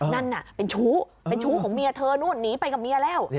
นั่นน่ะเป็นชู้เป็นชู้ของเมียเธอนู่นหนีไปกับเมียแล้ว